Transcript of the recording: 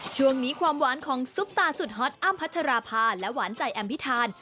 ความหวานของซุปตาสุดฮอตอ้ำพัชราภาและหวานใจแอมพิธาน